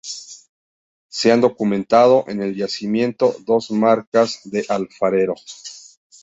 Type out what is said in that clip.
Se han documentado en el yacimiento dos marcas de alfarero.